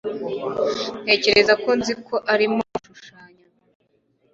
Ntekereza ko nzi ko arimo gushushanya